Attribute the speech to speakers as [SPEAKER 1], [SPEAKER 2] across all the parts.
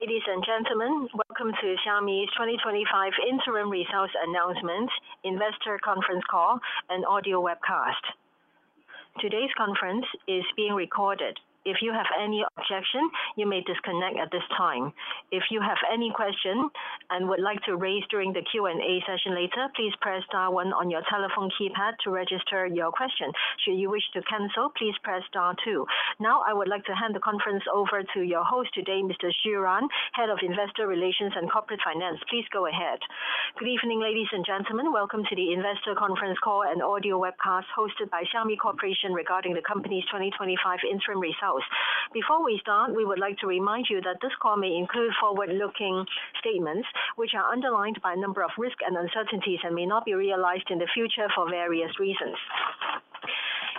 [SPEAKER 1] Ladies and gentlemen, welcome to Xiaomi's 2025 Interim Results Announcements Investor Conference Call and Audio Webcast. Today's conference is being recorded. If you have any objection, you may disconnect at this time. If you have any questions and would like to raise during the Q&A session later, please press star one on your telephone keypad to register your question. Should you wish to cancel, please press star two. Now, I would like to hand the conference over to your host today, Mr. Xu Ran, Head of Investor Relations and Corporate Finance. Please go ahead.
[SPEAKER 2] Good evening, ladies and gentlemen. Welcome to the Investor Conference Call and Audio Webcast hosted by Xiaomi Corporation regarding the company's 2025 Interim Results. Before we start, we would like to remind you that this call may include forward-looking statements, which are underlined by a number of risks and uncertainties and may not be realized in the future for various reasons.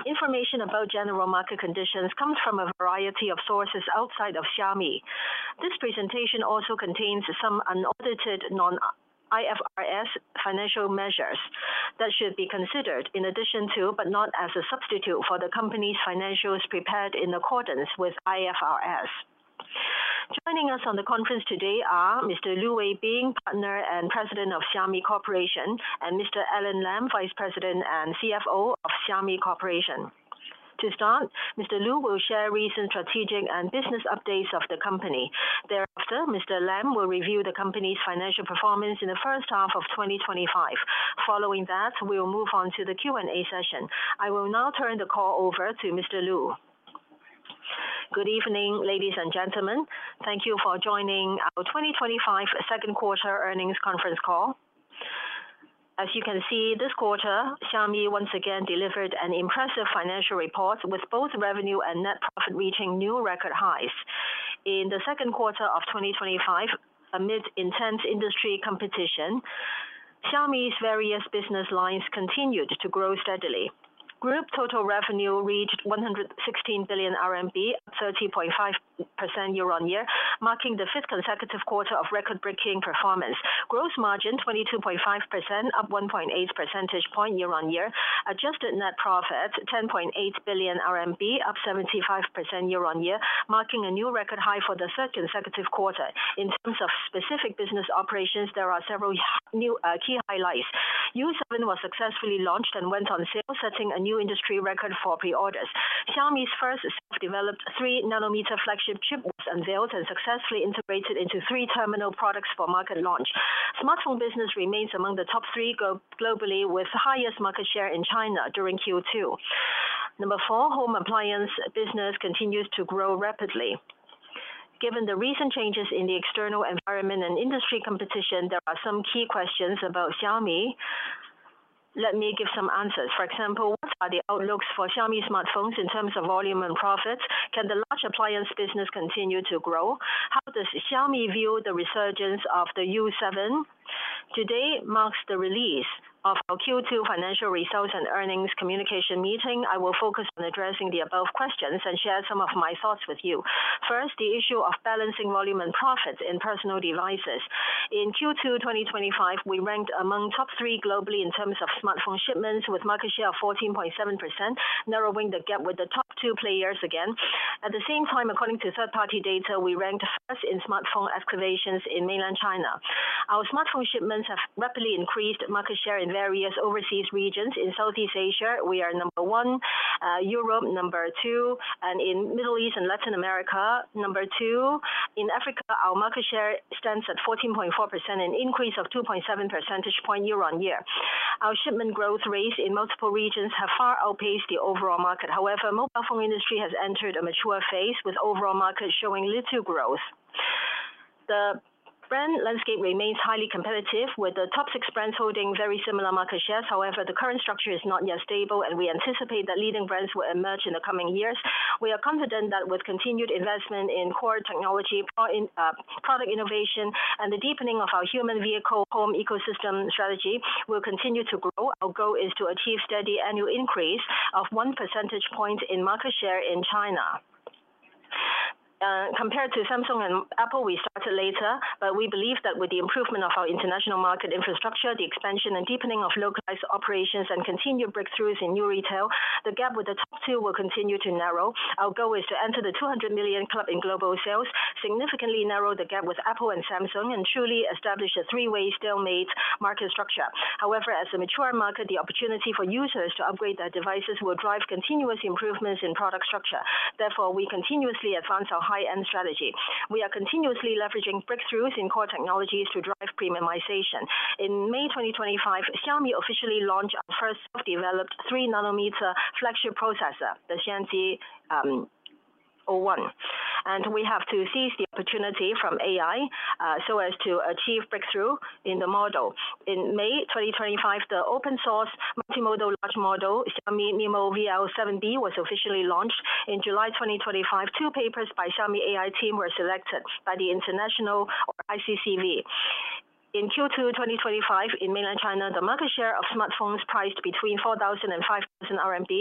[SPEAKER 2] Information about general market conditions comes from a variety of sources outside of Xiaomi. This presentation also contains some unaudited non-IFRS financial measures that should be considered in addition to, but not as a substitute for, the company's financials prepared in accordance with IFRS. Joining us on the conference today are Mr. Lu Weibing, Partner and President of Xiaomi Corporation, and Mr. Alain Lam, Vice President and CFO of Xiaomi Corporation. To start, Mr. Lu will share recent strategic and business updates of the company. Thereafter, Mr. Lam will review the company's financial performance in the first half of 2025. Following that, we will move on to the Q&A session. I will now turn the call over to Mr. Lu.
[SPEAKER 3] Good evening, ladies and gentlemen. Thank you for joining our 2025 Second Quarter Earnings Conference Call. As you can see, this quarter, Xiaomi once again delivered an impressive financial report with both revenue and net profit reaching new record highs. In the second quarter of 2025, amid intense industry competition, Xiaomi's various business lines continued to grow steadily. Group total revenue reached 116 billion RMB, up 13.5% year-on-year, marking the fifth consecutive quarter of record-breaking performance. Gross margin, 22.5%, up 1.8 percentage point year-on-year. Adjusted net profit, 10.8 billion RMB, up 75% year-on-year, marking a new record high for the third consecutive quarter. In terms of specific business operations, there are several new key highlights. U7 was successfully launched and went on sale, setting a new industry record for pre-orders. Xiaomi's first developed 3 nm flagship chips and sales are successfully integrated into three terminal products for market launch. Smartphone business remains among the top three globally, with the highest market share in China during Q2. Number four, home appliance business continues to grow rapidly. Given the recent changes in the external environment and industry competition, there are some key questions about Xiaomi. Let me give some answers. For example, what are the outlooks for Xiaomi smartphones in terms of volume and profits? Can the large appliance business continue to grow? How does Xiaomi view the resurgence after U7? Today marks the release of our Q2 financial results and earnings communication meeting. I will focus on addressing the above questions and share some of my thoughts with you. First, the issue of balancing volume and profits in personal devices. In Q2 2025, we ranked among top three globally in terms of smartphone shipments, with a market share of 14.7%, narrowing the gap with the top two players again. At the same time, according to third-party data, we ranked first in smartphone excavations in Mainland China. Our smartphone shipments have rapidly increased market share in various overseas regions. In Southeast Asia, we are number one, Europe number two, and in the Middle East and Latin America number two. In Africa, our market share stands at 14.4%, an increase of 2.7% year-on-year. Our shipment growth rates in multiple regions have far outpaced the overall market. However, the mobile phone industry has entered a mature phase, with the overall market showing little growth. The brand landscape remains highly competitive, with the top six brands holding very similar market shares. However, the current structure is not yet stable, and we anticipate that leading brands will emerge in the coming years. We are confident that with continued investment in core technology, product innovation, and the deepening of our human vehicle home ecosystem strategy, we will continue to grow. Our goal is to achieve a steady annual increase of 1% in market share in China. Compared to Samsung and Apple, we started later, but we believe that with the improvement of our international market infrastructure, the expansion and deepening of localized operations, and continued breakthroughs in new retail, the gap with the two will continue to narrow. Our goal is to enter the 200 million club in global sales, significantly narrow the gap with Apple and Samsung, and truly establish a three-way stalemate market structure. However, as a mature market, the opportunity for users to upgrade their devices will drive continuous improvements in product structure. Therefore, we continuously advance our high-end strategy. We are continuously leveraging breakthroughs in core technologies to drive premiumization. In May 2025, Xiaomi officially launched our first self-developed 3 nm flagship processor, the XRING O1, and we have to seize the opportunity from AI so as to achieve breakthrough in the model. In May 2025, the open-source multimodal large model, Xiaomi MiMo-VL-7B, was officially launched. In July 2025, two papers by the Xiaomi AI team were selected by the International ICCV. In Q2 2025, in Mainland China, the market share of smartphones priced between 4,000 and 5,000 RMB,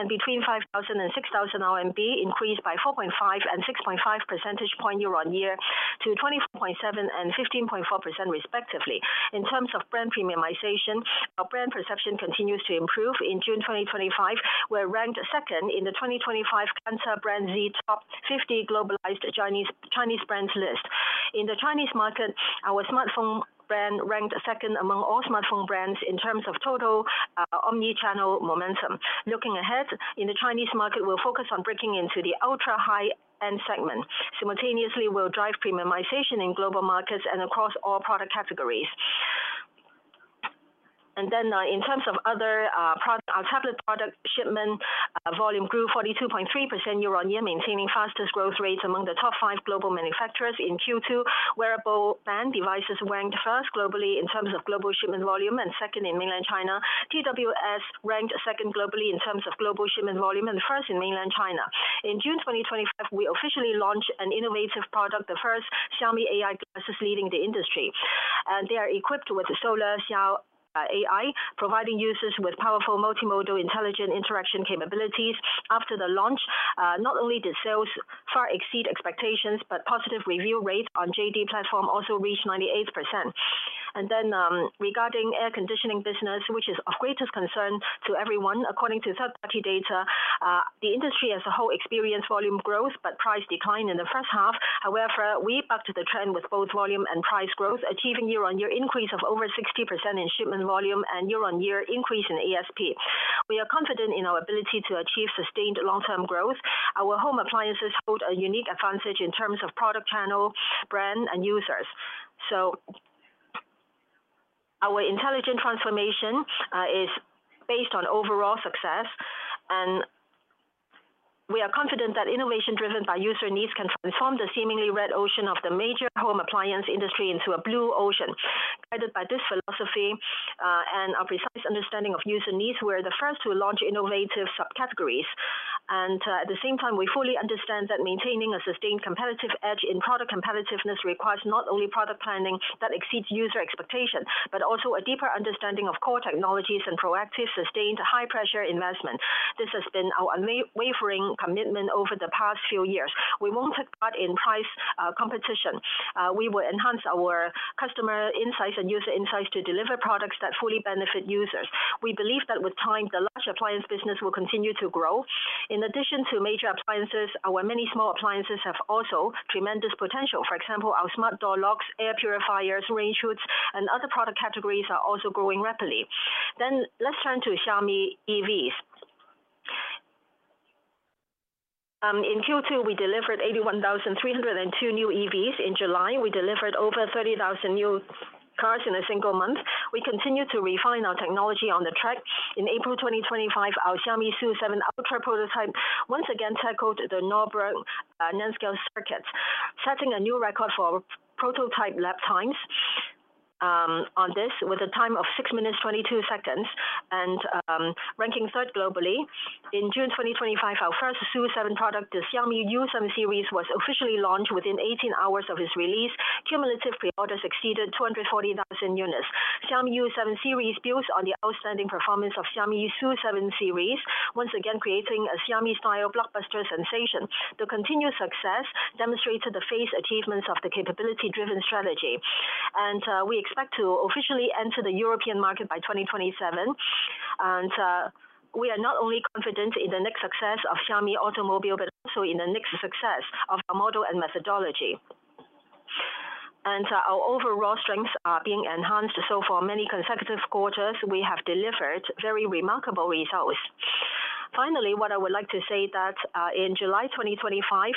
[SPEAKER 3] and between 5,000 and 6,000 RMB, increased by 4.5% and 6.5% year-on-year to 20.7% and 15.4% respectively. In terms of brand premiumization, our brand perception continues to improve. In June 2025, we were ranked second in the 2025 Quanzhou Brand Z Top 50 globalized Chinese brands list. In the Chinese market, our smartphone brand ranked second among all smartphone brands in terms of total omnichannel momentum. Looking ahead, in the Chinese market, we'll focus on breaking into the ultra-high-end segment. Simultaneously, we'll drive premiumization in global markets and across all product categories. In terms of other products, our tablet product shipment volume grew 42.3% year-on-year, maintaining the fastest growth rates among the top five global manufacturers. In Q2, wearable band devices ranked first globally in terms of global shipment volume and second in Mainland China. TWS ranked second globally in terms of global shipment volume and first in Mainland China. In June 2025, we officially launched an innovative product, the first Xiaomi AI glasses leading the industry. They are equipped with the solar AI, providing users with powerful multimodal intelligent interaction capabilities. After the launch, not only did sales far exceed expectations, but positive review rates on the JD platform also reached 98%. Regarding the air conditioning business, which is of greatest concern to everyone, according to third-party data, the industry as a whole experienced volume growth, but price declined in the first half. However, we bucked the trend with both volume and price growth, achieving a year-on-year increase of over 60% in shipment volume and a year-on-year increase in ASP. We are confident in our ability to achieve sustained long-term growth. Our home appliances boast a unique advantage in terms of product channel, brand, and users. Our intelligent transformation is based on overall success, and we are confident that innovation driven by user needs can transform the seemingly red ocean of the major home appliance industry into a blue ocean. Guided by this philosophy and our precise understanding of user needs, we're the first to launch innovative subcategories. At the same time, we fully understand that maintaining a sustained competitive edge in product competitiveness requires not only product planning that exceeds user expectations, but also a deeper understanding of core technologies and proactive, sustained, high-pressure investment. This has been our unwavering commitment over the past few years. We won't take part in price competition. We will enhance our customer insights and user insights to deliver products that fully benefit users. We believe that with time, the large appliance business will continue to grow. In addition to major appliances, our many small appliances have also tremendous potential. For example, our smart door locks, air purifiers, range hoods, and other product categories are also growing rapidly. Turning to Xiaomi EVs, in Q2, we delivered 81,302 new EVs. In July, we delivered over 30,000 new cars in a single month. We continue to refine our technology on the track. In April 2025, our Xiaomi SU7 Ultra prototype once again tackled the Nürburgring Nordschleife circuit, setting a new record for prototype lab times on this, with a time of 6:22 and ranking third globally. In June 2025, our first SU7 product, the Xiaomi SU7 series, was officially launched. Within 18 hours of its release, cumulative pre-orders exceeded 240,000 units. The Xiaomi SU7 series builds on the outstanding performance of the Xiaomi SU7 series, once again creating a Xiaomi-style blockbuster sensation. The continued success demonstrated the phased achievements of the capability-driven strategy. We expect to officially enter the European market by 2027. We are not only confident in the next success of Xiaomi Automobile, but also in the next success of our model and methodology. Our overall strengths are being enhanced. For many consecutive quarters, we have delivered very remarkable results. Finally, what I would like to say is that in July 2025,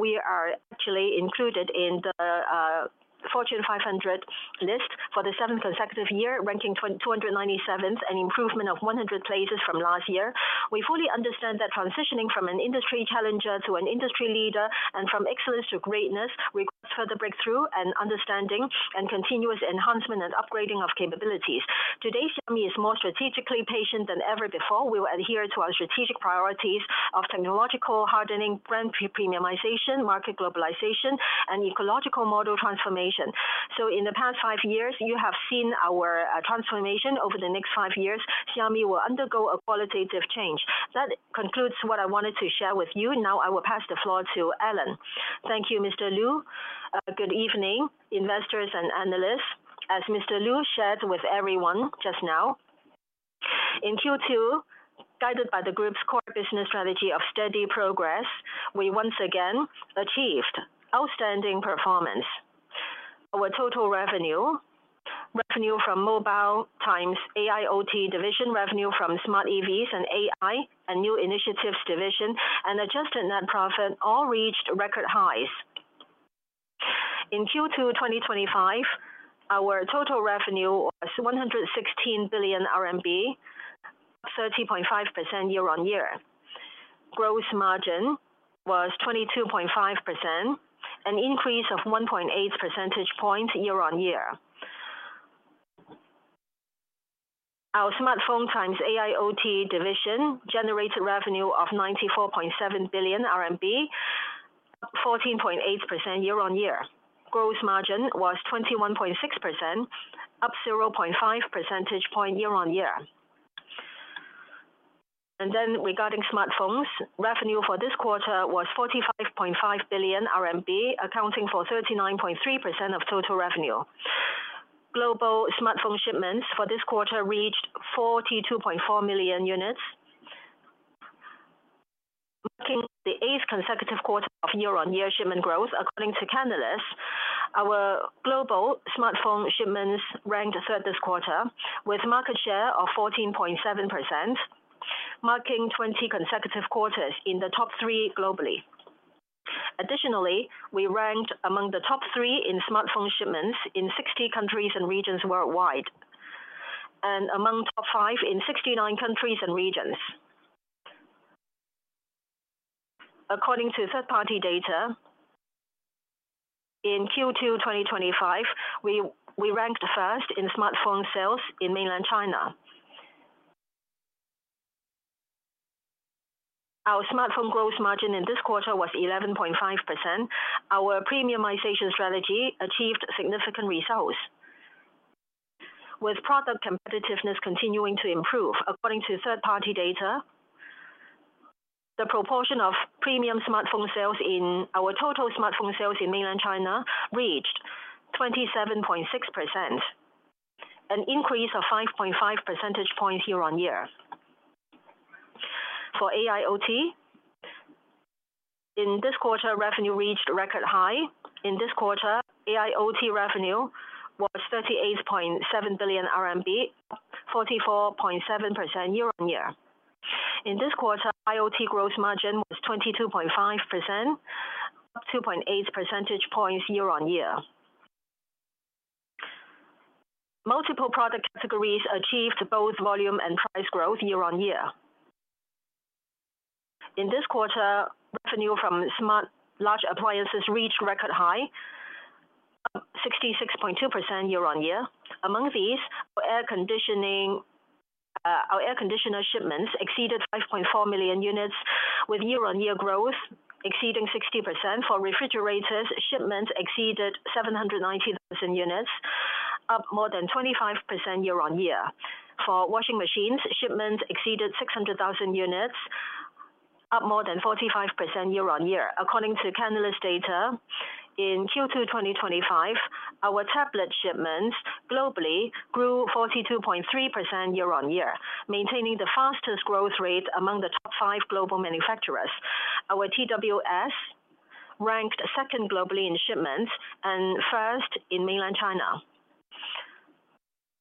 [SPEAKER 3] we are actually included in the Fortune 500 list for the seventh consecutive year, ranking 297th, an improvement of 100 places from last year. We fully understand that transitioning from an industry challenger to an industry leader and from excellence to greatness requires further breakthrough and understanding and continuous enhancement and upgrading of capabilities. Today's Xiaomi is more strategically patient than ever before. We will adhere to our strategic priorities of technological hardening, brand premiumization, market globalization, and ecological model transformation. In the past five years, you have seen our transformation. Over the next five years, Xiaomi will undergo a qualitative change. That concludes what I wanted to share with you. Now, I will pass the floor to Alain.
[SPEAKER 4] Thank you, Mr. Lu. Good evening, investors and analysts. As Mr. Lu shared with everyone just now, in Q2, guided by the group's core business strategy of steady progress, we once again achieved outstanding performance. Our total revenue, revenue from mobile and AIoT division, revenue from smart EVs and AI and new initiatives division, and adjusted net profit all reached record highs. In Q2 2025, our total revenue was 116 billion RMB, up 30.5% year-on-year. Gross margin was 22.5%, an increase of 1.8 percentage points year-on-year. Our smartphone and AIoT division generated revenue of 94.7 billion RMB, up 14.8% year-on-year. Gross margin was 21.6%, up 0.5 percentage point year-on-year. Regarding smartphones, revenue for this quarter was 45.5 billion RMB, accounting for 39.3% of total revenue. Global smartphone shipments for this quarter reached 42.4 million units, marking the eighth consecutive quarter of year-on-year shipment growth. According to Canalys, our global smartphone shipments ranked third this quarter, with a market share of 14.7%, marking 20 consecutive quarters in the top three globally. Additionally, we ranked among the top three in smartphone shipments in 60 countries and regions worldwide, and among the top five in 69 countries and regions. According to third-party data, in Q2 2025, we ranked first in smartphone sales in Mainland China. Our smartphone gross margin in this quarter was 11.5%. Our premiumization strategy achieved significant results, with product competitiveness continuing to improve. According to third-party data, the proportion of premium smartphone sales in our total smartphone sales in Mainland China reached 27.6%, an increase of 5.5 percentage points year-on-year. For AIoT, in this quarter, revenue reached a record high. In this quarter, AIoT revenue was 38.7 billion RMB, up 44.7% year-on-year. In this quarter, IoT gross margin was 22.5%, up 2.8 percentage points year-on-year. Multiple product categories achieved both volume and price growth year-on-year. In this quarter, revenue from smart large appliances reached a record high, up 66.2% year-on-year. Among these, our air conditioner shipments exceeded 5.4 million units, with year-on-year growth exceeding 60%. For refrigerators, shipments exceeded 790,000 units, up more than 25% year-on-year. For washing machines, shipments exceeded 600,000 units, up more than 45% year-on-year. According to Kandelis data, in Q2 2025, our tablet shipments globally grew 42.3% year-on-year, maintaining the fastest growth rate among the top five global manufacturers. Our TWS ranked second globally in shipments and first in Mainland China.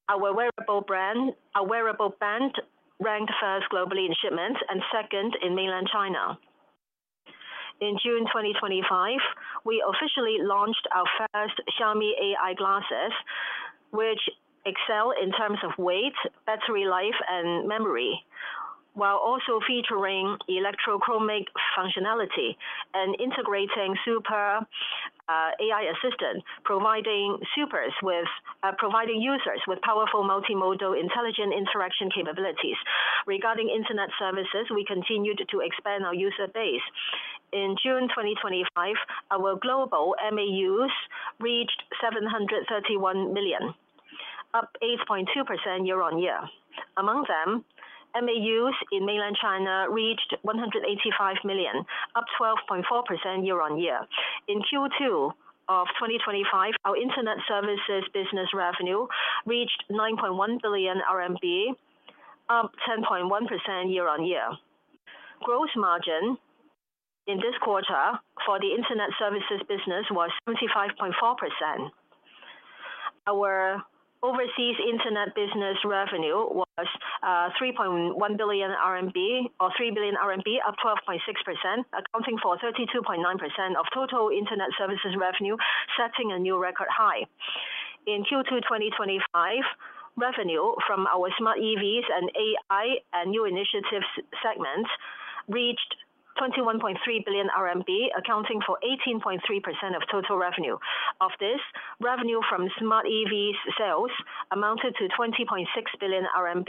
[SPEAKER 4] Our wearable band ranked first globally in shipments and second in Mainland China. In June 2025, we officially launched our first Xiaomi AI glasses, which excel in terms of weight, battery life, and memory, while also featuring electrochromic functionality and integrating Super AI Assistant, providing users with powerful multimodal intelligent interaction capabilities. Regarding internet services, we continued to expand our user base. In June 2025, our global MAUs reached 731 million, up 8.2% year-on-year. Among them, MAUs in Mainland China reached 185 million, up 12.4% year-on-year. In Q2 2025, our internet services business revenue reached 9.1 billion RMB, up 10.1% year-on-year. Gross margin in this quarter for the internet services business was 25.4%. Our overseas internet business revenue was 3.1 billion RMB, or 3 billion RMB, up 12.6%, accounting for 32.9% of total internet services revenue, setting a new record high. In Q2 2025, revenue from our smart EVs and AI and new initiatives segments reached 21.3 billion RMB, accounting for 18.3% of total revenue. Of this, revenue from smart EVs sales amounted to 20.6 billion RMB,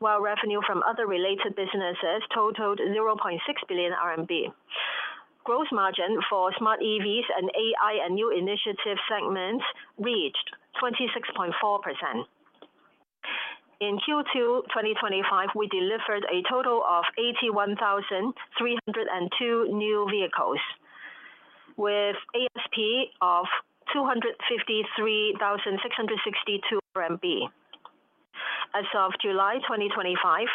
[SPEAKER 4] while revenue from other related businesses totaled 0.6 billion RMB. Gross margin for smart EVs and AI and new initiatives segments reached 26.4%. In Q2 2025, we delivered a total of 81,302 new vehicles, with ASP of 253,662 RMB. As of July 2025,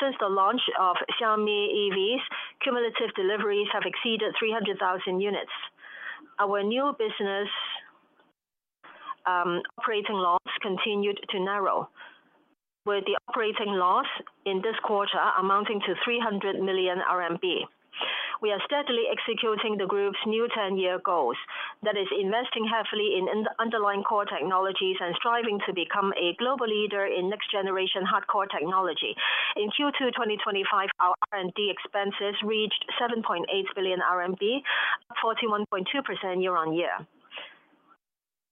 [SPEAKER 4] since the launch of Xiaomi EVs, cumulative deliveries have exceeded 300,000 units. Our new business operating loss continued to narrow, with the operating loss in this quarter amounting to 300 million RMB. We are steadily executing the group's new 10-year goals, that is investing heavily in underlying core technologies and striving to become a global leader in next-generation hardcore technology. In Q2 2025, our R&D expenses reached 7.8 billion RMB, up 41.2% year-on-year. The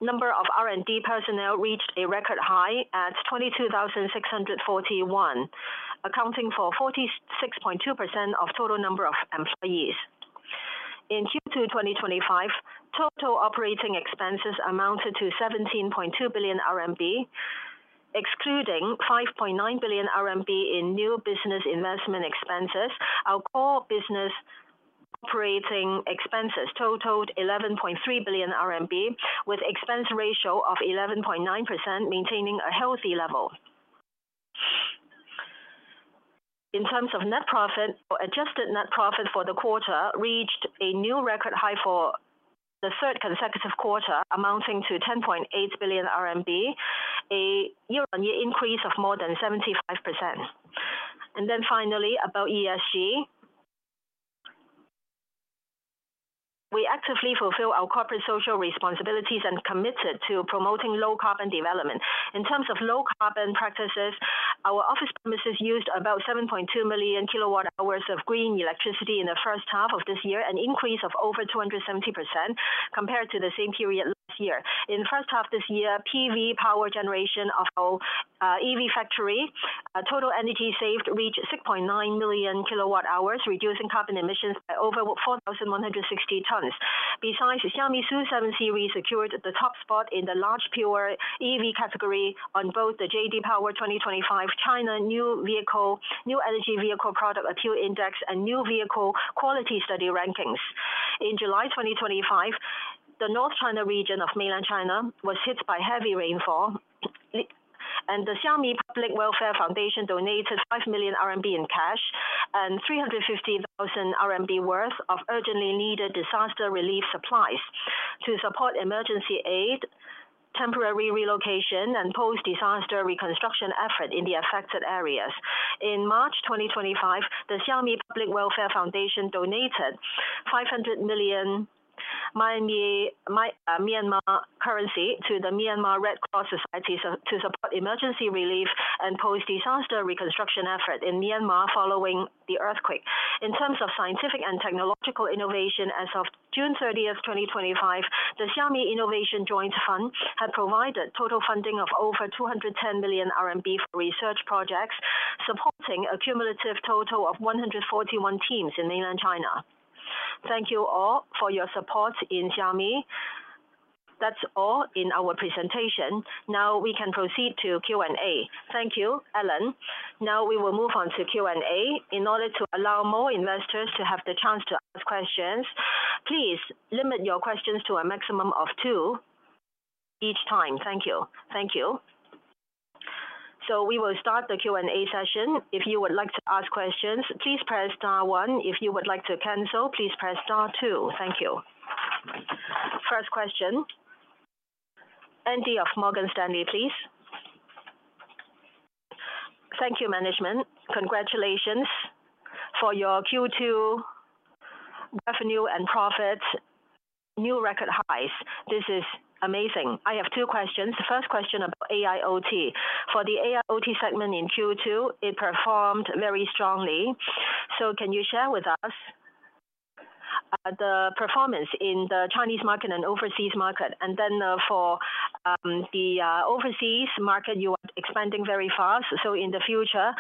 [SPEAKER 4] number of R&D personnel reached a record high at 22,641, accounting for 46.2% of total number of employees. In Q2 2025, total operating expenses amounted to 17.2 billion RMB, excluding 5.9 billion RMB in new business investment expenses. Our core business operating expenses totaled 11.3 billion RMB, with an expense ratio of 11.9%, maintaining a healthy level. In terms of net profit, adjusted net profit for the quarter reached a new record high for the third consecutive quarter, amounting to 10.8 billion RMB, a year-on-year increase of more than 75%. Finally, about ESG, we actively fulfill our corporate social responsibilities and are committed to promoting low-carbon development. In terms of low-carbon practices, our office premises used about 7.2 million kWh of green electricity in the first half of this year, an increase of over 270% compared to the same period last year. In the first half of this year, PV power generation of our EV factory, total energy saved reached 6.9 million kWh, reducing carbon emissions by over 4,160 tons. Besides, the Xiaomi SU7 series secured the top spot in the large pure EV category on both the JD Power 2025 China New Vehicle New Energy Vehicle Product Appeal Index and New Vehicle Quality Study rankings. In July 2025, the North China region of Mainland China was hit by heavy rainfall, and the Xiaomi Public Welfare Foundation donated 5 million RMB in cash and 315,000 RMB worth of urgently needed disaster relief supplies to support emergency aid, temporary relocation, and post-disaster reconstruction efforts in the affected areas. In March 2025, the Xiaomi Public Welfare Foundation donated MMK 500 million to the Myanmar Red Cross Society to support emergency relief and post-disaster reconstruction efforts in Myanmar following the earthquake. In terms of scientific and technological innovation, as of June 30, 2025, the Xiaomi Innovation Joint Fund had provided total funding of over 210 million RMB for research projects, supporting a cumulative total of 141 teams in Mainland China. Thank you all for your support in Xiaomi. That's all in our presentation. Now we can proceed to Q&A.
[SPEAKER 1] Thank you, Alain. Now we will move on to Q&A. In order to allow more investors to have the chance to ask questions, please limit your questions to a maximum of two each time. Thank you. Thank you. We will start the Q&A session. If you would like to ask questions, please press star one. If you would like to cancel, please press star two. Thank you. First question, Andy of Morgan Stanley, please.
[SPEAKER 5] Thank you, management. Congratulations for your Q2 revenue and profits, new record highs. This is amazing. I have two questions. The first question is about AIoT. For the AIoT segment in Q2, it performed very strongly. Can you share with us the performance in the Chinese market and overseas market? For the overseas market, you are expanding very fast. In the future,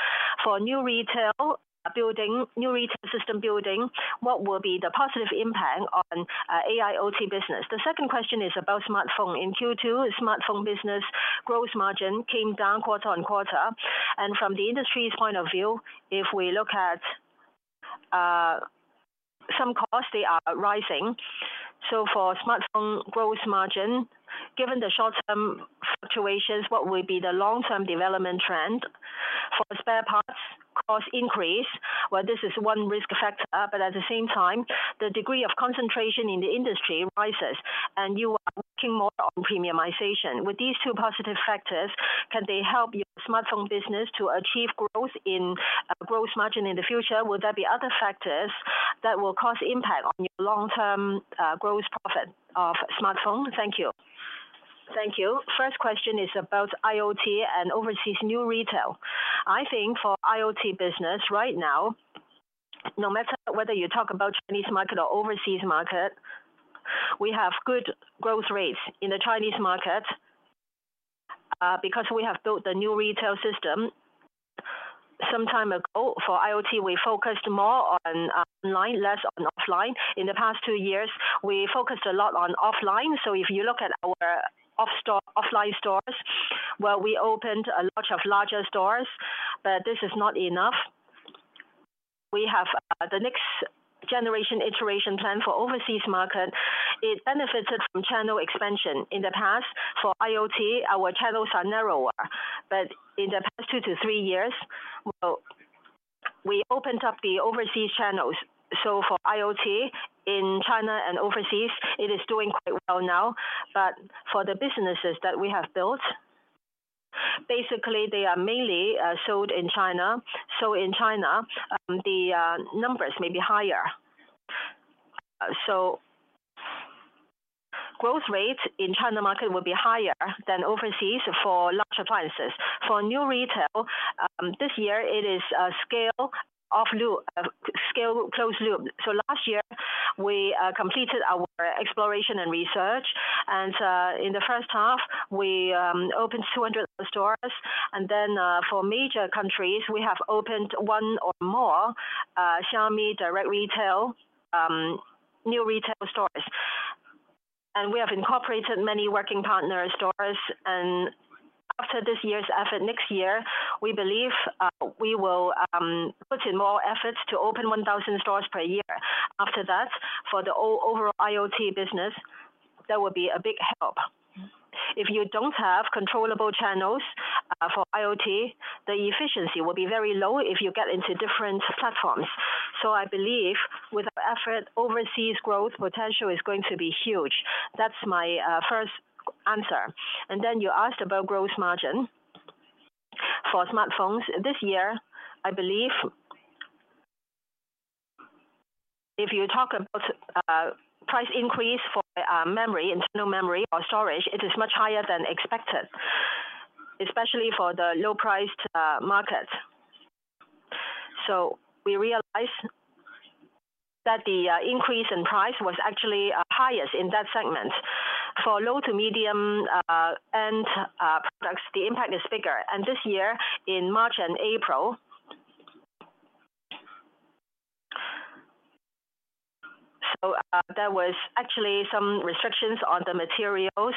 [SPEAKER 5] for new retail building, new retail system building, what will be the positive impact on AIoT business? The second question is about smartphone. In Q2, smartphone business gross margin came down quarter on quarter. From the industry's point of view, if we look at some costs, they are rising. For smartphone gross margin, given the short-term fluctuations, what will be the long-term development trend? For spare parts cost increase, this is one risk factor. At the same time, the degree of concentration in the industry rises, and you are working more on premiumization. With these two positive factors, can they help your smartphone business to achieve growth in gross margin in the future? Will there be other factors that will cause impact on your long-term gross profit of smartphone? Thank you.
[SPEAKER 3] Thank you. First question is about IoT and overseas new retail. I think for IoT business right now, no matter whether you talk about the Chinese market or overseas market, we have good growth rates in the Chinese market because we have built the new retail system some time ago. For IoT, we focused more on online, less on offline. In the past two years, we focused a lot on offline. If you look at our offline stores, we opened a lot of larger stores, but this is not enough. We have the next generation iteration plan for the overseas market. It benefited from channel expansion. In the past, for IoT, our channels are narrower. In the past two to three years, we opened up the overseas channels. For IoT in China and overseas, it is doing quite well now. For the businesses that we have built, basically, they are mainly sold in China. In China, the numbers may be higher. Growth rates in the China market will be higher than overseas for large appliances. For new retail, this year, it is a scale close loop. Last year, we completed our exploration and research. In the first half, we opened 200 stores. For major countries, we have opened one or more Xiaomi direct retail new retail stores. We have incorporated many working partner stores. After this year's effort, next year, we believe we will put in more efforts to open 1,000 stores/year. After that, for the overall IoT business, that will be a big help. If you don't have controllable channels for IoT, the efficiency will be very low if you get into different platforms. I believe with our effort, overseas growth potential is going to be huge. That's my first answer. You asked about gross margin for smartphones. This year, I believe if you talk about price increase for memory, internal memory or storage, it is much higher than expected, especially for the low-priced market. We realized that the increase in price was actually highest in that segment. For low to medium-end products, the impact is bigger. This year, in March and April, there were actually some restrictions on the materials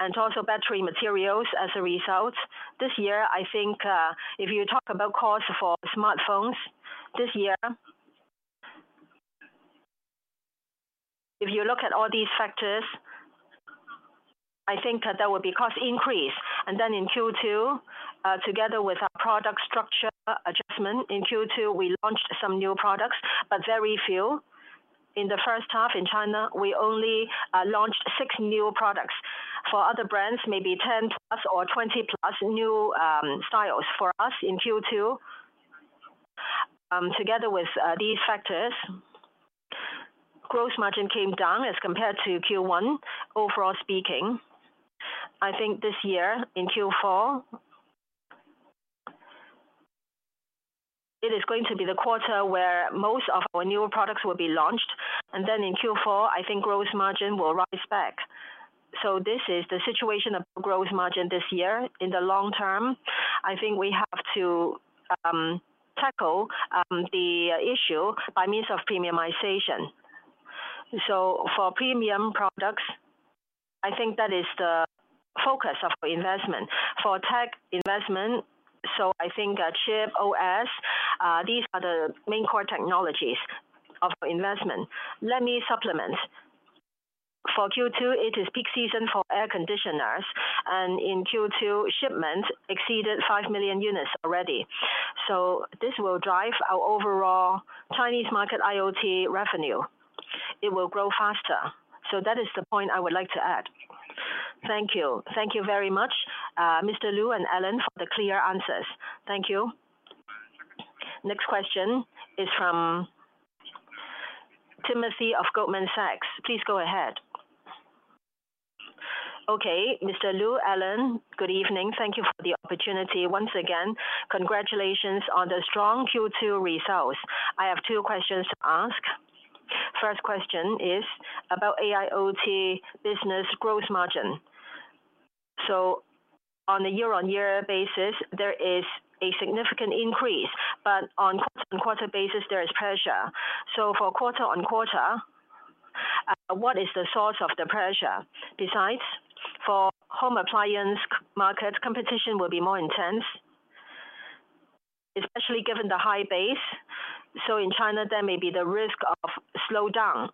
[SPEAKER 3] and also battery materials as a result. This year, I think if you talk about cost for smartphones, this year, if you look at all these factors, I think there will be a cost increase. In Q2, together with our product structure adjustment, in Q2, we launched some new products, but very few. In the first half in China, we only launched six new products. For other brands, maybe 10+ or 20+ new styles. For us, in Q2, together with these factors, gross margin came down as compared to Q1, overall speaking. I think this year, in Q4, it is going to be the quarter where most of our new products will be launched. In Q4, I think gross margin will rise back. This is the situation of gross margin this year. In the long term, I think we have to tackle the issue by means of premiumization. For premium products, I think that is the focus of our investment. For tech investment, I think chip, OS, these are the main core technologies of our investment.
[SPEAKER 4] Let me supplement. For Q2, it is peak season for air conditioners. In Q2, shipments exceeded 5 million units already. This will drive our overall Chinese market IoT revenue. It will grow faster. That is the point I would like to add. Thank you.
[SPEAKER 5] Thank you very much, Mr. Lu and Alain, for the clear answers.
[SPEAKER 1] Thank you. Next question is from Timothy of Goldman Sachs. Please go ahead.
[SPEAKER 6] OK, Mr. Lu, Alain, good evening. Thank you for the opportunity once again. Congratulations on the strong Q2 results. I have two questions to ask. First question is about AIoT business gross margin. On a year-on-year basis, there is a significant increase. On a quarterly basis, there is pressure. For quarter on quarter, what is the source of the pressure? Besides, for the home appliance market, competition will be more intense, especially given the high base. In China, there may be the risk of slowdown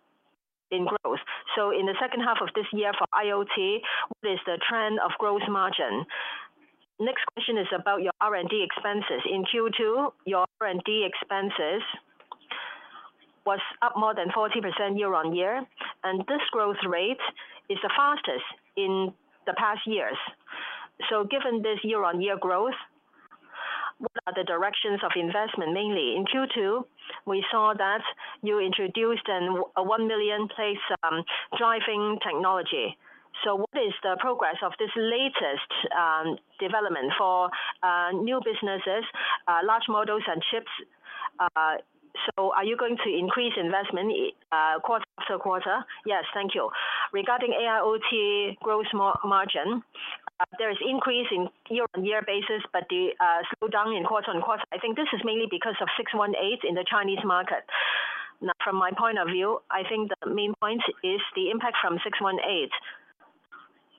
[SPEAKER 6] in growth. In the second half of this year for IoT, what is the trend of gross margin? Next question is about your R&D expenses. In Q2, your R&D expenses were up more than 40% year-on-year. This growth rate is the fastest in the past years. Given this year-on-year growth, what are the directions of investment mainly? In Q2, we saw that you introduced a 1 million place driving technology. What is the progress of this latest development for new businesses, large models, and chips? Are you going to increase investment quarter after quarter?
[SPEAKER 3] Yes, thank you. Regarding AIoT gross margin, there is an increase on a year-on-year basis, but the slowdown in quarter on quarter, I think this is mainly because of 618 in the Chinese market. From my point of view, I think the main point is the impact from 618.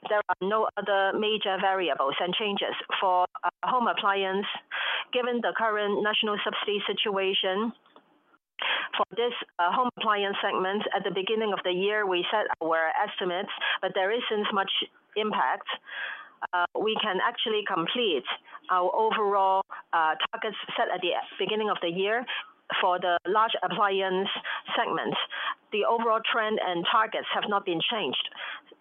[SPEAKER 3] There are no other major variables and changes for home appliance. Given the current national subsidy situation for this home appliance segment, at the beginning of the year, we set our estimates, but there isn't much impact. We can actually complete our overall targets set at the beginning of the year for the large appliance segments. The overall trend and targets have not been changed.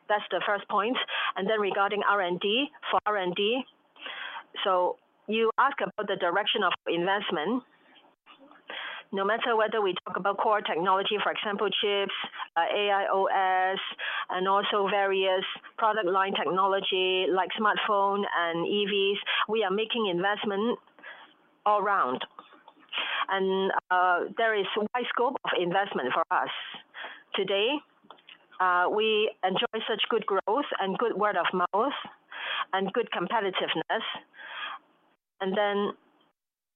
[SPEAKER 3] That's the first point. Regarding R&D, for R&D, you ask about the direction of investment. No matter whether we talk about core technology, for example, chips, AIoT, and also various product line technologies like smartphones and EVs, we are making investments all around. There is a wide scope of investment for us. Today, we enjoy such good growth and good word of mouth and good competitiveness.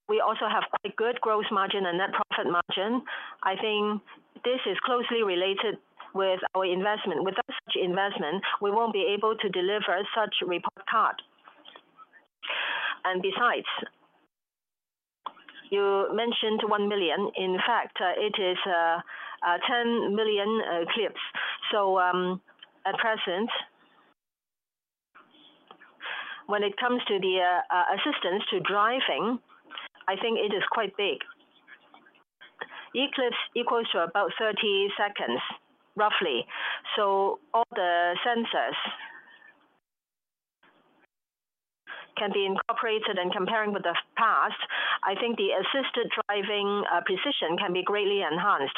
[SPEAKER 3] We also have a good gross margin and net profit margin. I think this is closely related with our investment. Without such investment, we won't be able to deliver such a report card. Besides, you mentioned 1 million. In fact, it is 10 million eclipse. At present, when it comes to the assistance to driving, I think it is quite big. Eclipse equals to about 30 seconds, roughly. All the sensors can be incorporated. Comparing with the past, I think the assisted driving precision can be greatly enhanced.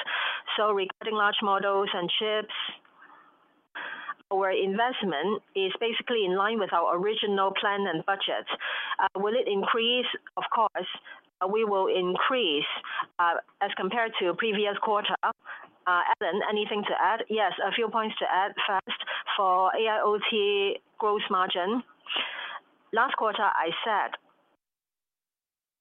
[SPEAKER 3] Regarding large models and chips, our investment is basically in line with our original plan and budget. Will it increase? Of course, we will increase as compared to the previous quarter. Alain, anything to add?
[SPEAKER 4] Yes, a few points to add fast. For AIoT gross margin, last quarter, I said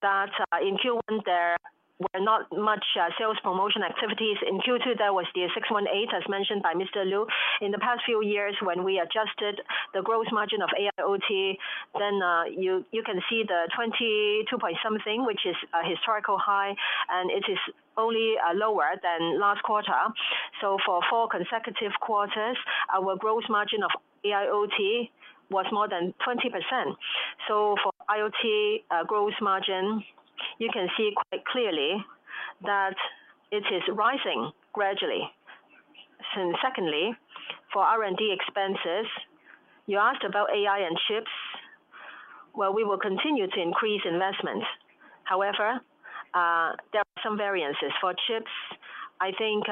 [SPEAKER 4] that in Q1, there were not much sales promotion activities. In Q2, there was the 618, as mentioned by Mr. Lu. In the past few years, when we adjusted the gross margin of AIoT, then you can see the 22 point something, which is a historical high, and it is only lower than last quarter. For four consecutive quarters, our gross margin of AIoT was more than 20%. For IoT gross margin, you can see clearly that it is rising gradually. Secondly, for R&D expenses, you asked about AI and chips. We will continue to increase investments. However, there are some variances. For chips, I think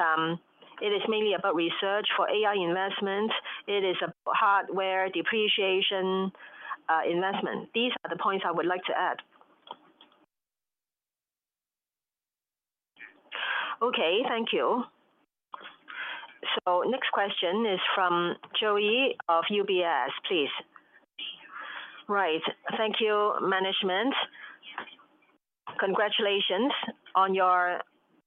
[SPEAKER 4] it is mainly about research. For AI investments, it is about hardware depreciation investment. These are the points I would like to add.
[SPEAKER 6] OK, thank you.
[SPEAKER 1] Next question is from Zhou Yi of UBS, please.
[SPEAKER 7] Right. Thank you, management. Congratulations on your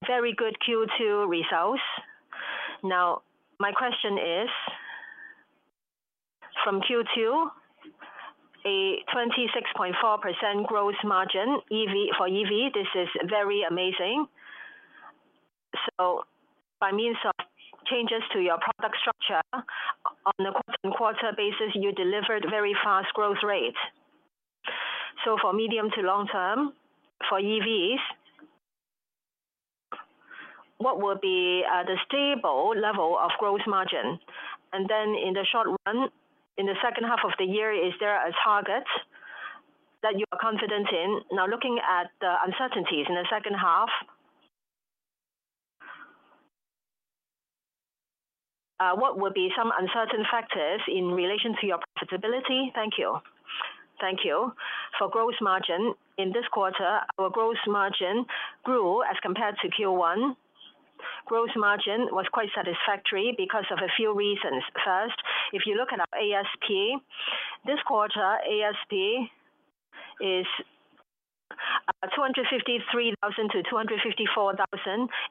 [SPEAKER 7] very good Q2 results. Now, my question is, from Q2, a 26.4% gross margin for EV, this is very amazing. By means of changes to your product structure, on a quarterly basis, you delivered very fast growth rates. For medium to long term, for EVs, what will be the stable level of gross margin? In the short run, in the second half of the year, is there a target that you are confident in? Looking at the uncertainties in the second half, what will be some uncertain factors in relation to your profitability? Thank you.
[SPEAKER 3] Thank you. For gross margin, in this quarter, our gross margin grew as compared to Q1. Gross margin was quite satisfactory because of a few reasons. First, if you look at our ASP, this quarter, ASP is 253,000-254,000,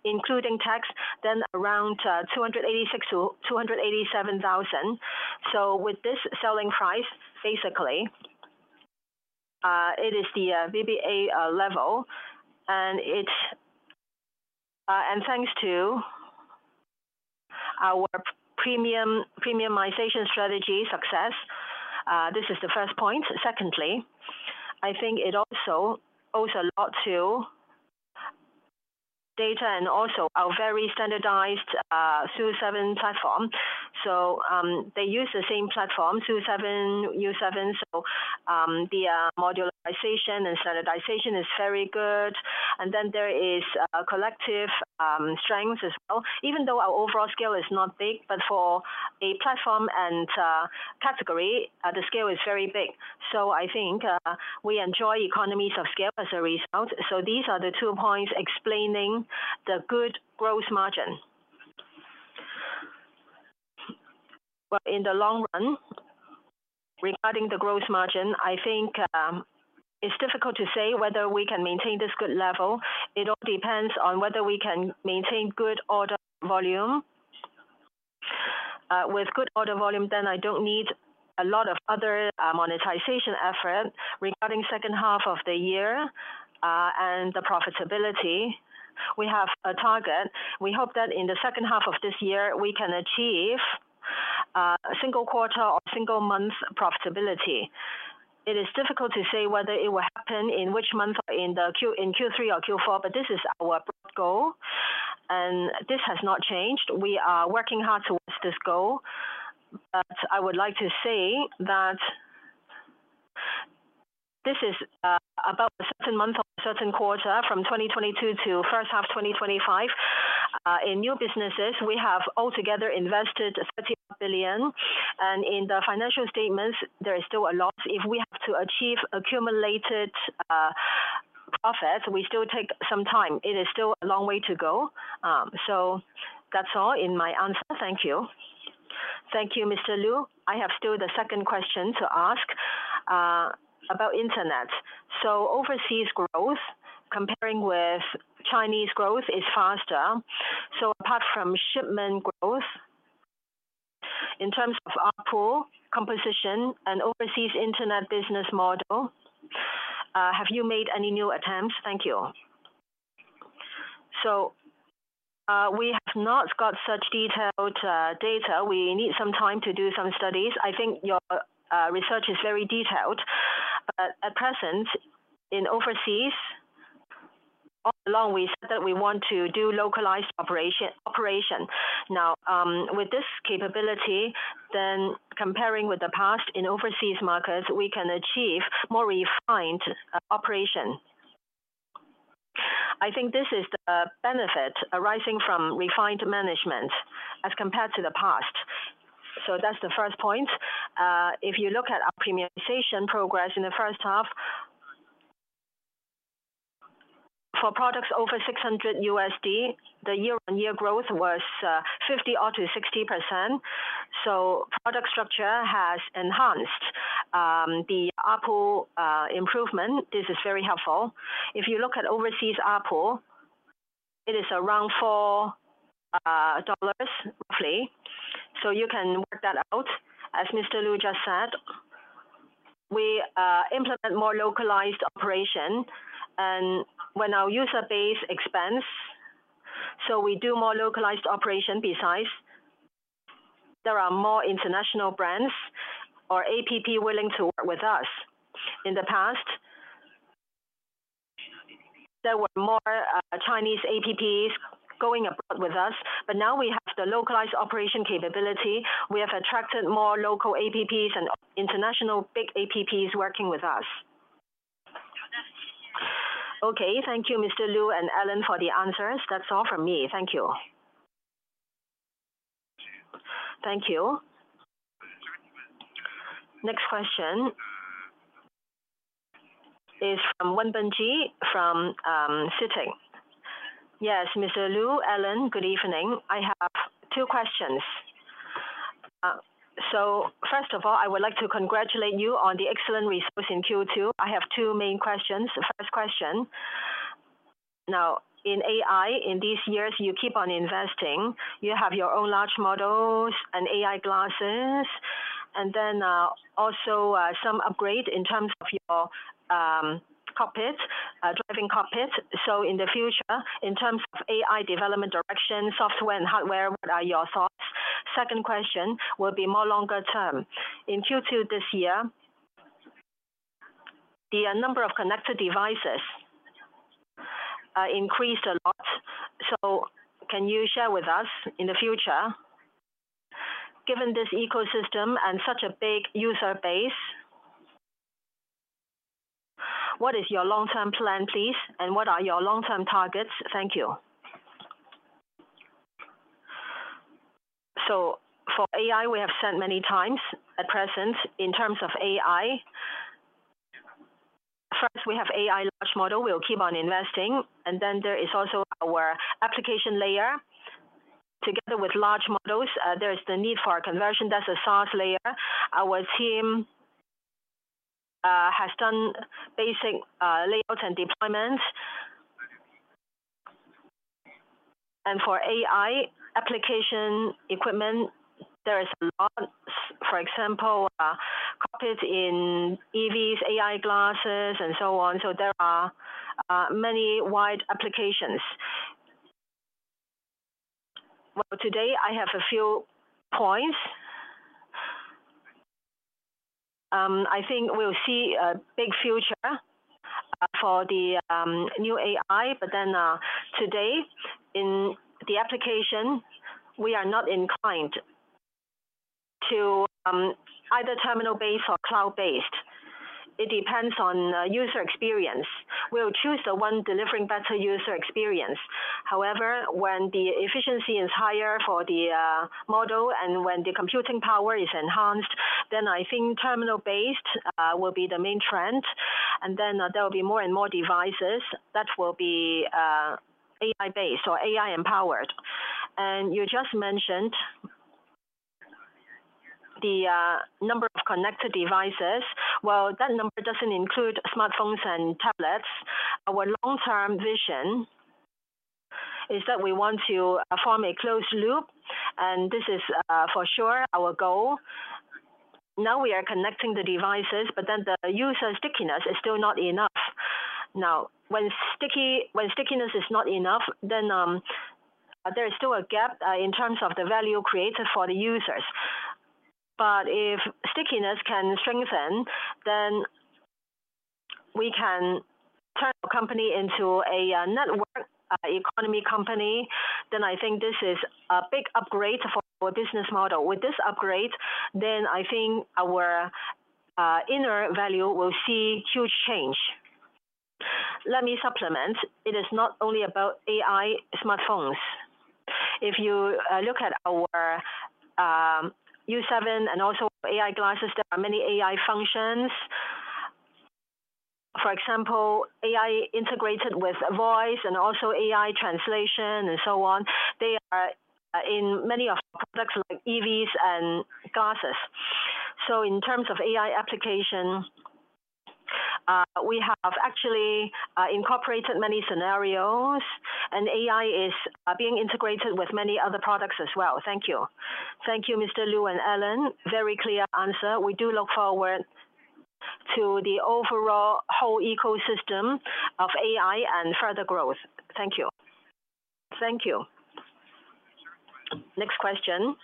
[SPEAKER 3] including tax, then around 286,000-287,000. With this selling price, basically, it is the VBA level. Thanks to our premiumization strategy success, this is the first point. Secondly, I think it also owes a lot to data and also our very standardized SU7 platform. They use the same platform, SU7, U7. The modularization and standardization is very good. There is collective strength as well. Even though our overall scale is not big, for a platform and category, the scale is very big. I think we enjoy economies of scale as a result. These are the two points explaining the good gross margin. In the long run, regarding the gross margin, I think it's difficult to say whether we can maintain this good level. It all depends on whether we can maintain good order volume. With good order volume, then I don't need a lot of other monetization efforts. Regarding the second half of the year and the profitability, we have a target. We hope that in the second half of this year, we can achieve a single quarter or single month profitability. It is difficult to say whether it will happen in which month, in Q3 or Q4, but this is our goal. This has not changed. We are working hard towards this goal. I would like to say that this is about a certain month or a certain quarter from 2022 to the first half of 2025. In new businesses, we have altogether invested 30 billion. In the financial statements, there is still a lot. If we have to achieve accumulated profits, we still take some time. It is still a long way to go. That's all in my answer. Thank you.
[SPEAKER 7] Thank you, Mr. Lu. I have still the second question to ask about internet. Overseas growth, comparing with Chinese growth, is faster. Apart from shipment growth, in terms of our pool composition and overseas internet business model, have you made any new attempts? Thank you.
[SPEAKER 4] We have not got such detailed data. We need some time to do some studies. I think your research is very detailed. At present, in overseas, all along we said that we want to do localized operations. Now, with this capability, comparing with the past in overseas markets, we can achieve more refined operations. I think this is the benefit arising from refined management as compared to the past. That's the first point. If you look at our premiumization progress in the first half, for products over $600, the year-on-year growth was 50% or 60%. Product structure has enhanced. The ARPU improvement, this is very helpful. If you look at overseas ARPU, it is around $4, roughly. You can work that out. As Mr. Lu just said, we implement more localized operations. When our user base expands, we do more localized operations. Besides, there are more international brands or apps willing to work with us. In the past, there were more Chinese apps going abroad with us. Now we have the localized operation capability. We have attracted more local apps and international big apps working with us.
[SPEAKER 7] Thank you, Mr. Lu and Alain, for the answers. That's all from me. Thank you.
[SPEAKER 1] Thank you. Next question is from Yingbo Xu from CITIC.
[SPEAKER 8] Yes, Mr. Lu, Alain, good evening. I have two questions. First of all, I would like to congratulate you on the excellent results in Q2. I have two main questions. First question, now in AI, in these years, you keep on investing. You have your own large models and AI glasses. Also some upgrades in terms of your driving cockpits. In the future, in terms of AI development direction, software and hardware, what are your thoughts? Second question will be more longer term. In Q2 this year, the number of connected devices increased a lot. Can you share with us in the future, given this ecosystem and such a big user base, what is your long-term plan, please? What are your long-term targets? Thank you.
[SPEAKER 3] For AI, we have said many times at present in terms of AI. First, we have AI large model. We'll keep on investing. There is also our application layer. Together with large models, there is the need for a conversion. That's a SaaS layer. Our team has done basic layouts and deployments. For AI application equipment, there is a lot. For example, cockpits in EVs, AI glasses, and so on. There are many wide applications. Today I have a few points. I think we'll see a big future for the new AI. In the application, we are not inclined to either terminal-based or cloud-based. It depends on user experience. We'll choose the one delivering better user experience. However, when the efficiency is higher for the model and when the computing power is enhanced, I think terminal-based will be the main trend. There will be more and more devices that will be AI-based or AI-empowered. You just mentioned the number of connected devices. That number doesn't include smartphones and tablets. Our long-term vision is that we want to form a closed loop. This is for sure our goal. Now we are connecting the devices, but the user stickiness is still not enough. When stickiness is not enough, there is still a gap in terms of the value created for the users. If stickiness can strengthen, we can turn our company into a network economy company. I think this is a big upgrade for our business model. With this upgrade, I think our inner value will see huge change.
[SPEAKER 4] Let me supplement. It is not only about AI smartphones. If you look at our U7 and also AI glasses, there are many AI functions. For example, AI integrated with voice and also AI translation and so on. They are in many of our products like EVs and glasses. In terms of AI application, we have actually incorporated many scenarios. AI is being integrated with many other products as well. Thank you.
[SPEAKER 8] Thank you, Mr. Lu and Alain. Very clear answer. We do look forward to the overall whole ecosystem of AI and further growth. Thank you.
[SPEAKER 3] Thank you.
[SPEAKER 1] Next question,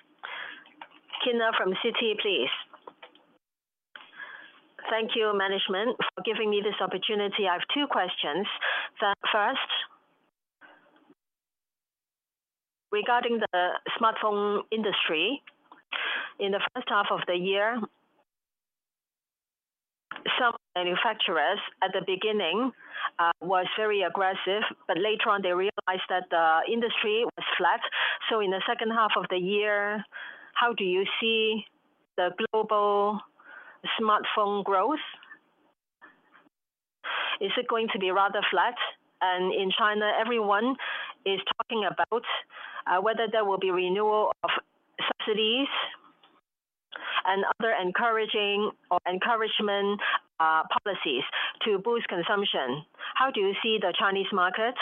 [SPEAKER 1] Kyna from Citi, please.
[SPEAKER 9] Thank you, management, for giving me this opportunity. I have two questions. First, regarding the smartphone industry, in the first half of the year, some manufacturers at the beginning were very aggressive. Later on, they realized that the industry was flat. In the second half of the year, how do you see the global smartphone growth? Is it going to be rather flat? In China, everyone is talking about whether there will be renewal of subsidies and other encouraging or encouragement policies to boost consumption. How do you see the Chinese market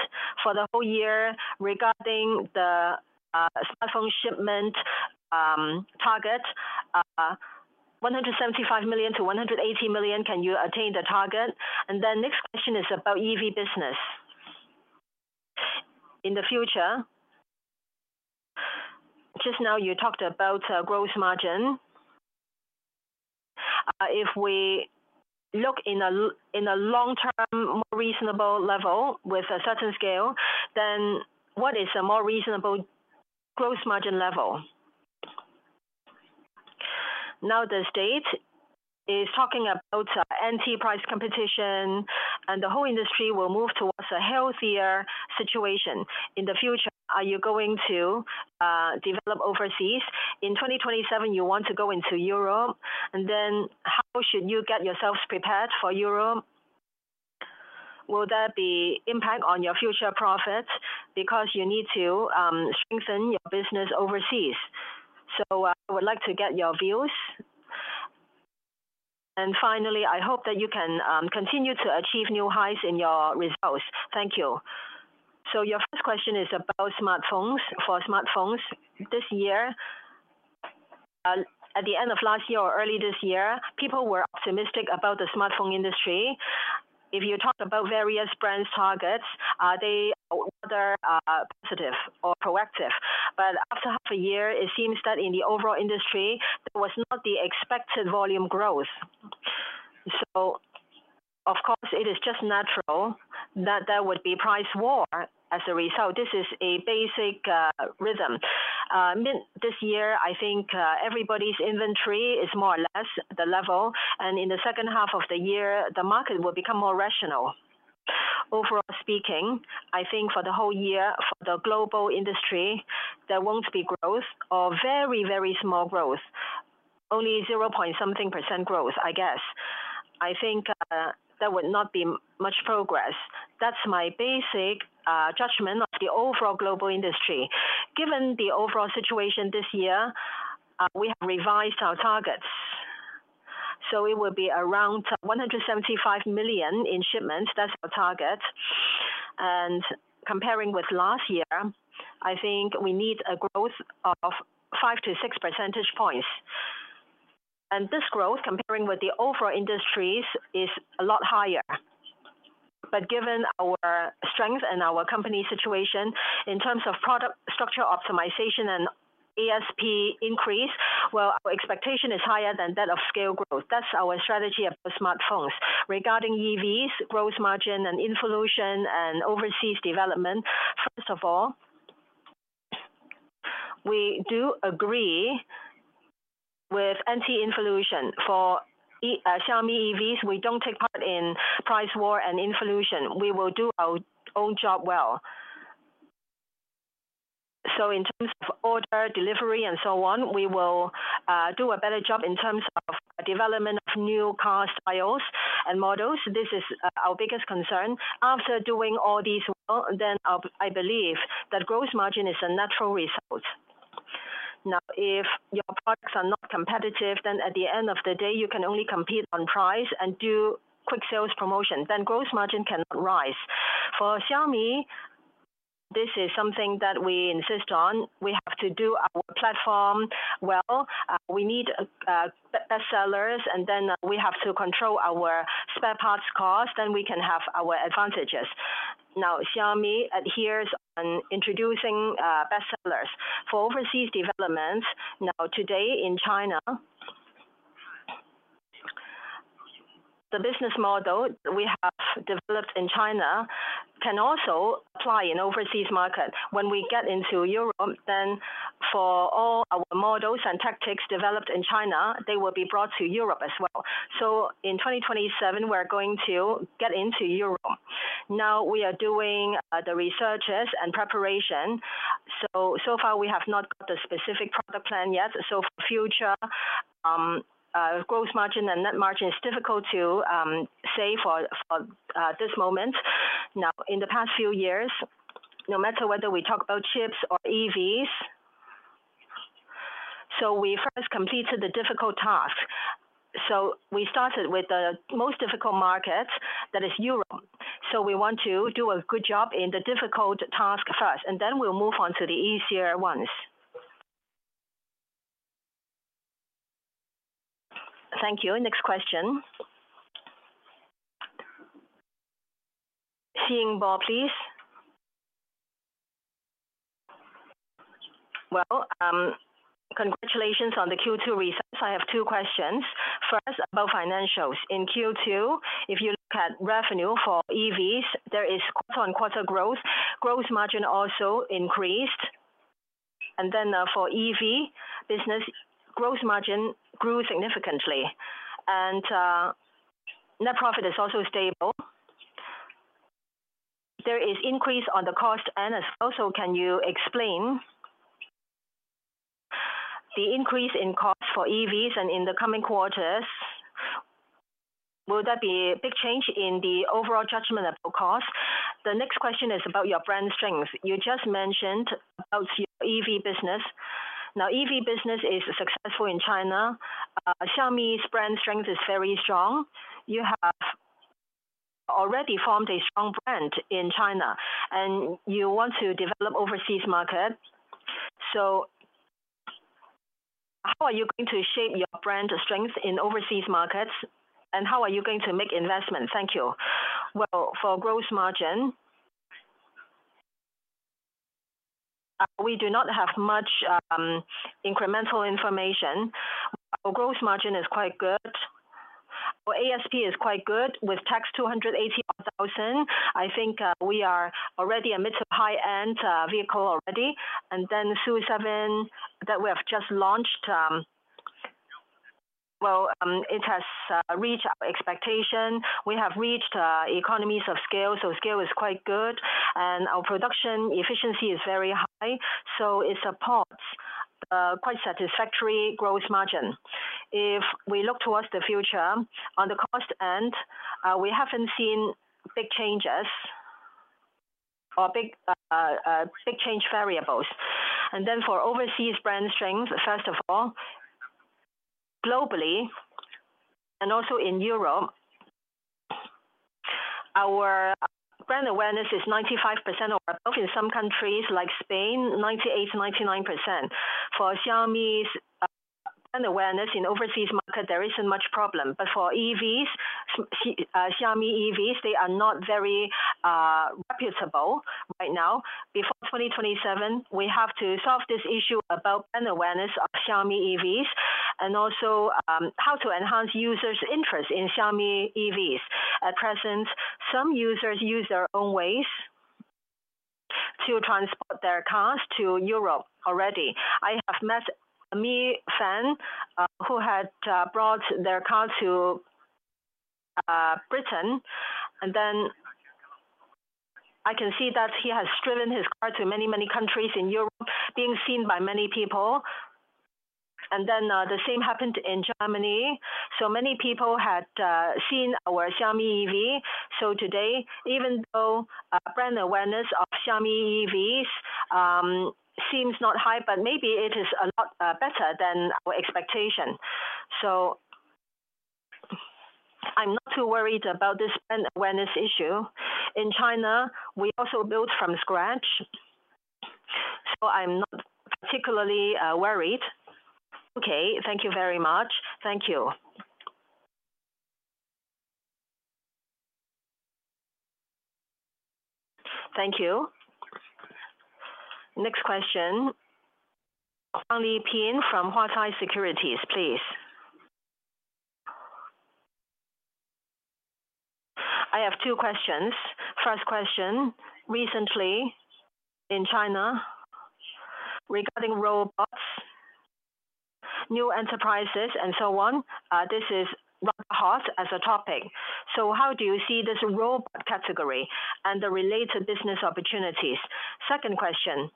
[SPEAKER 9] for the whole year regarding the smartphone shipment target? 175 million-180 million, can you attain the target? The next question is about EV business. In the future, just now you talked about gross margin. If we look in a long-term, more reasonable level with a certain scale, then what is a more reasonable gross margin level? Now the state is talking about anti-price competition, and the whole industry will move towards a healthier situation. In the future, are you going to develop overseas? In 2027, you want to go into Europe. How should you get yourself prepared for Europe? Will there be impact on your future profit because you need to strengthen your business overseas? I would like to get your views. Finally, I hope that you can continue to achieve new highs in your results. Thank you.
[SPEAKER 4] Your first question is about smartphones. For smartphones, this year, at the end of last year or early this year, people were optimistic about the smartphone industry. If you talk about various brands' targets, are they rather positive or proactive? After half a year, it seems that in the overall industry, there was not the expected volume growth. Of course, it is just natural that there would be price war as a result. This is a basic rhythm. This year, I think everybody's inventory is more or less at the level. In the second half of the year, the market will become more rational. Overall speaking, I think for the whole year, for the global industry, there won't be growth or very, very small growth, only 0.% growth, I guess. I think there would not be much progress. That's my basic judgment of the overall global industry. Given the overall situation this year, we have revised our targets. It will be around 175 million in shipments. That's our target. Comparing with last year, I think we need a growth of 5%-6%. This growth, comparing with the overall industries, is a lot higher. Given our strength and our company situation, in terms of product structure optimization and ASP increase, our expectation is higher than that of scale growth. That's our strategy for smartphones. Regarding EVs, gross margin, and inflation and overseas development, first of all, we do agree with anti-inflation. For Xiaomi EVs, we don't take part in price war and inflation. We will do our own job well. In terms of order delivery and so on, we will do a better job in terms of development of new cars, IOs, and models. This is our biggest concern. After doing all this well, I believe that gross margin is a natural result. If your products are not competitive, at the end of the day, you can only compete on price and do quick sales promotion. Gross margin cannot rise. For Xiaomi, this is something that we insist on. We have to do our platform well. We need best sellers, and we have to control our spare parts cost. Then we can have our advantages. Xiaomi adheres on introducing best sellers for overseas developments. Today in China, the business model we have developed in China can also apply in the overseas market. When we get into Europe, for all our models and tactics developed in China, they will be brought to Europe as well. In 2027, we're going to get into Europe. We are doing the researches and preparation. So far, we have not got the specific product plan yet. For future gross margin and net margin, it's difficult to say for this moment. In the past few years, no matter whether we talk about chips or EVs, we first completed the difficult task. We started with the most difficult market, that is Europe. We want to do a good job in the difficult task first, and then we'll move on to the easier ones.
[SPEAKER 1] Thank you. Next question, CICC, please.
[SPEAKER 10] Congratulations on the Q2 results. I have two questions. First, about financials. In Q2, if you look at revenue for EVs, there is quarter on quarter growth. Gross margin also increased, and for EV business, gross margin grew significantly. Net profit is also stable. There is an increase on the cost. Also, can you explain the increase in costs for EVs? In the coming quarters, will there be a big change in the overall judgment of cost? The next question is about your brand strengths. You just mentioned your EV business. EV business is successful in China. Xiaomi's brand strength is very strong. You have already formed a strong brand in China, and you want to develop the overseas market. How are you going to shape your brand strength in overseas markets? How are you going to make investments? Thank you.
[SPEAKER 4] For gross margin, we do not have much incremental information. Our gross margin is quite good. Our ASP is quite good with tax 284,000. I think we are already amidst a high-end vehicle already. SU7 that we have just launched has reached our expectation. We have reached economies of scale. Scale is quite good. Our production efficiency is very high. It supports a quite satisfactory gross margin. If we look towards the future, on the cost end, we haven't seen big changes or big change variables. For overseas brand strength, globally and also in Europe, our brand awareness is 95% or above. In some countries, like Spain, 98%-99%. For Xiaomi's brand awareness in the overseas market, there isn't much problem. For Xiaomi EVs, they are not very reputable right now. Before 2027, we have to solve this issue about brand awareness of Xiaomi EVs and also how to enhance users' interest in Xiaomi EVs. At present, some users use their own ways to transport their cars to Europe already. I have met a Mi Fan who had brought their car to Britain. I can see that he has driven his car to many, many countries in Europe, being seen by many people. The same happened in Germany. Many people had seen our Xiaomi EV. Today, even though brand awareness of Xiaomi EVs seems not high, maybe it is a lot better than our expectation. I'm not too worried about this brand awareness issue. In China, we also build from scratch. I'm not particularly worried.
[SPEAKER 10] Thank you very much.
[SPEAKER 3] Thank you.
[SPEAKER 1] Thank you. Next question, Saiyi He from Huatai Securities, please.
[SPEAKER 11] I have two questions. First question, recently in China regarding robots, new enterprises, and so on. This is rather hot as a topic. How do you see this robot category and the related business opportunities? Second question,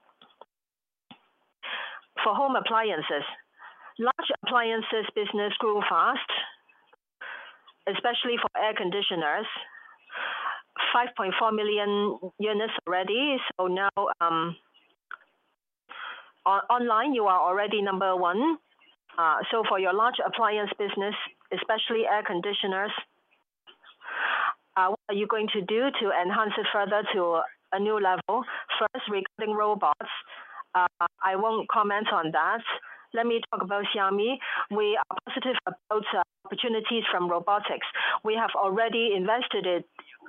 [SPEAKER 11] for home appliances. Large appliances business grew fast, especially for air conditioners. 5.4 million units release. Now online, you are already number one. For your large appliance business, especially air conditioners, what are you going to do to enhance it further to a new level?
[SPEAKER 3] First, regarding robots, I won't comment on that. Let me talk about Xiaomi. We are positive about opportunities from robotics. We have already invested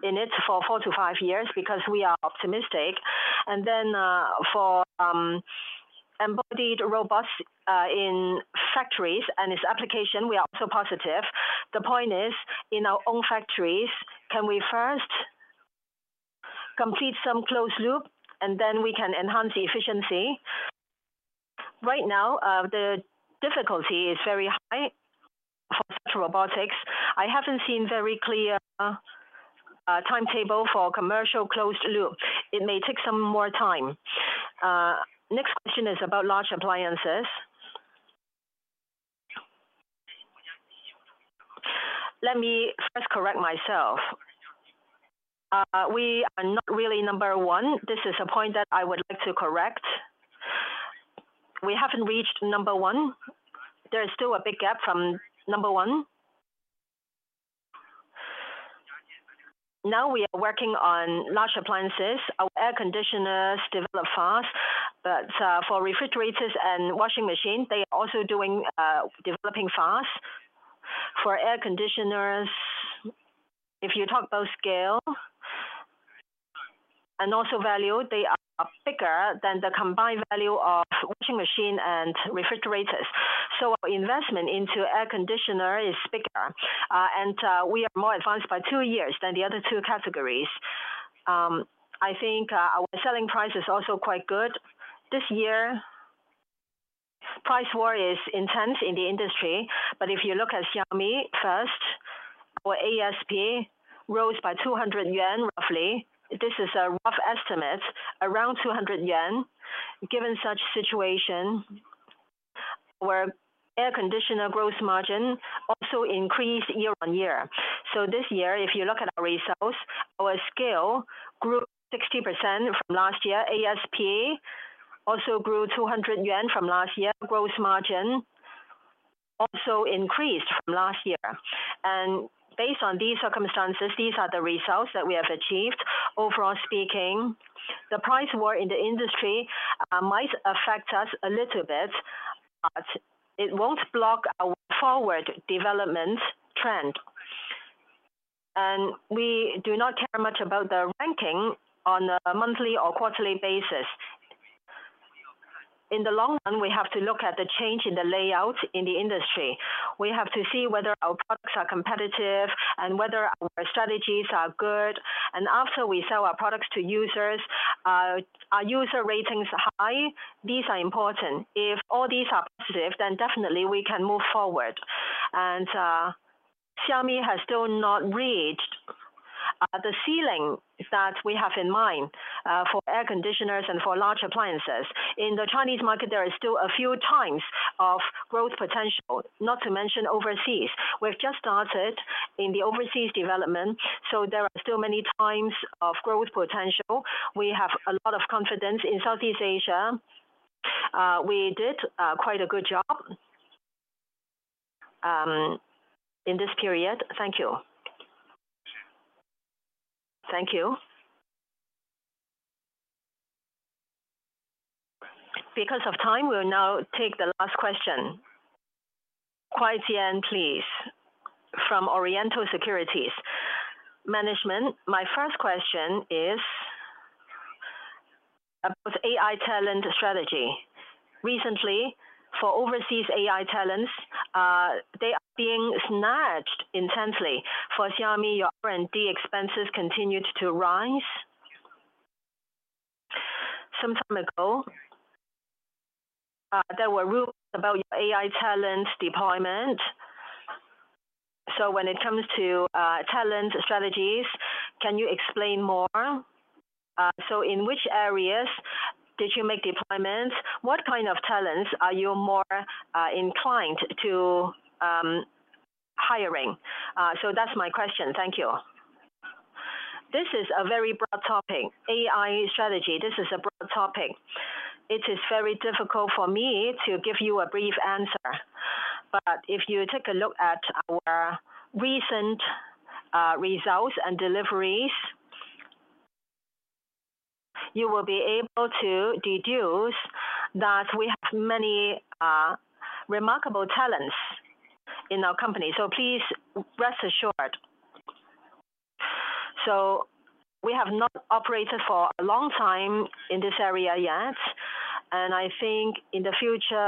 [SPEAKER 3] in it for four to five years because we are optimistic. For embodied robots in factories and its application, we are also positive. The point is, in our own factories, can we first complete some closed loop and then we can enhance the efficiency? Right now, the difficulty is very high for such robotics. I haven't seen a very clear timetable for commercial closed loop. It may take some more time. Next question is about large appliances. Let me first correct myself. We are not really number one. This is a point that I would like to correct. We haven't reached number one. There is still a big gap from number one. Now we are working on large appliances. Our air conditioners develop fast. For refrigerators and washing machines, they are also developing fast. For air conditioners, if you talk about scale and also value, they are bigger than the combined value of washing machines and refrigerators. Our investment into air conditioners is bigger, and we are more advanced by two years than the other two categories. I think our selling price is also quite good. This year, price war is intense in the industry. If you look at Xiaomi first, our ASP rose by 200 yuan, roughly. This is a rough estimate, around 200 yuan. Given such a situation, our air conditioner gross margin also increased year on year. This year, if you look at our results, our scale grew 60% from last year. ASP also grew 200 yuan from last year. Gross margin also increased from last year. Based on these circumstances, these are the results that we have achieved. Overall speaking, the price war in the industry might affect us a little bit, but it won't block our forward development trend. We do not care much about the ranking on a monthly or quarterly basis. In the long run, we have to look at the change in the layout in the industry. We have to see whether our products are competitive and whether our strategies are good. After we sell our products to users, are our user ratings high? These are important. If all these are positive, then definitely we can move forward. Xiaomi has still not reached the ceiling that we have in mind for air conditioners and for large appliances. In the Chinese market, there are still a few times of growth potential, not to mention overseas. We've just started in the overseas development. There are still many times of growth potential. We have a lot of confidence in Southeast Asia. We did quite a good job in this period. Thank you.
[SPEAKER 1] Thank you. Because of time, we'll now take the last question. Kuai Jian, please, from Oriental Securities.
[SPEAKER 12] Management, my first question is about the AI talent strategy. Recently, for overseas AI talents, they are being snatched intensely. For Xiaomi, your R&D expenses continued to rise some time ago. There were rumors about your AI talent deployment. When it comes to talent strategies, can you explain more? In which areas did you make deployments? What kind of talents are you more inclined to hiring? Thank you.
[SPEAKER 4] This is a very broad topic. AI strategy, this is a broad topic. It is very difficult for me to give you a brief answer. If you take a look at our recent results and deliveries, you will be able to deduce that we have many remarkable talents in our company. Please rest assured. We have not operated for a long time in this area yet. I think in the future,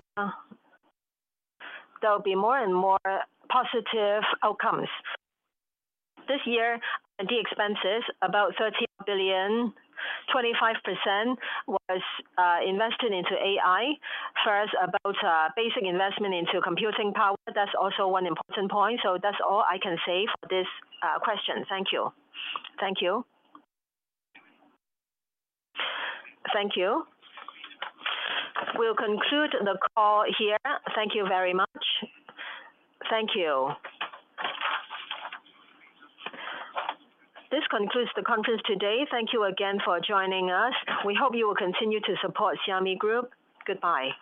[SPEAKER 4] there will be more and more positive outcomes. This year, the expenses are about 13 billion, 25% was invested into AI. First, about basic investment into computing power. That is also one important point. That is all I can say for this question. Thank you.
[SPEAKER 12] Thank you.
[SPEAKER 1] Thank you. We'll conclude the call here. Thank you very much. Thank you. This concludes the conference today. Thank you again for joining us. We hope you will continue to support Xiaomi Corporation. Goodbye.